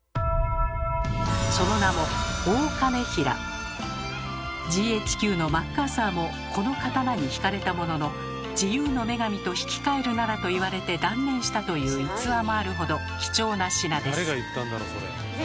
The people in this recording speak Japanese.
その名もＧＨＱのマッカーサーもこの刀に惹かれたものの「『自由の女神』と引き換えるなら」と言われて断念したという逸話もあるほど貴重な品です。